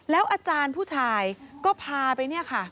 แล้วอาจารย์ผู้ชายก็พาไป